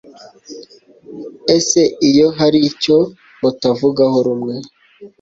Ese iyo hari icyo mutavugaho rumwe